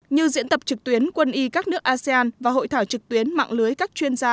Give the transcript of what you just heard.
như diễn tập trực tuyến quân y các nước asean và hội thảo trực tuyến mạng lưới các chuyên gia